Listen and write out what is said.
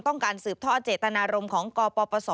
ต้องการสืบท่อเจตนารมของกปปศ